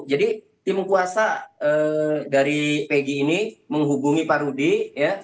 jadi tim kuasa dari pg ini menghubungi pak rudy